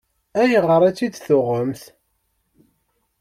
Ayɣer i tt-id-tuɣemt?